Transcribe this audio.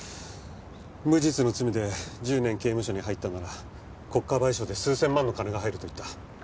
無実の罪で１０年刑務所に入ったなら国家賠償で数千万の金が入ると言った。